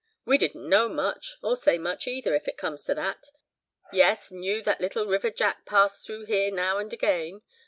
"We didn't know much, or say much either, if it comes to that. Yes! knew that Little River Jack passed through here now and again.